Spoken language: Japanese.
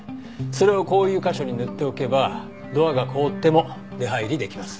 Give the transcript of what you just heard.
それをこういう箇所に塗っておけばドアが凍っても出入りできます。